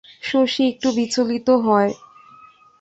শশী একটু বিচলিত হয়।